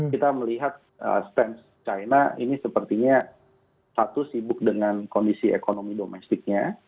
kita melihat stance china ini sepertinya satu sibuk dengan kondisi ekonomi domestiknya